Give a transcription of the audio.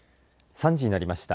３時になりました。